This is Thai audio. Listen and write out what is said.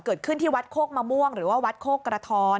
เกิดขึ้นที่วัดโคกมะม่วงหรือว่าวัดโคกกระท้อน